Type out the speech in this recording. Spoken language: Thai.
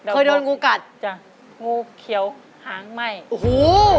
เคยโดนงูกัดจ้ะงูเขียวหางไหม้โอ้โห